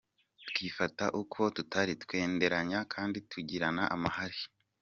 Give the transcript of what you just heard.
Twekwifata uko tutari, twenderanya kandi tugirirana amahari".